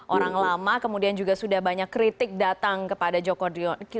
orang lama kemudian juga sudah banyak kritik datang kepada joko driono